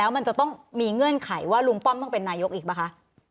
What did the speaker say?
มันจะต้องมีเงื่อนไขว่าลุงป้อมต้องเป็นนายกอีกป่ะคะ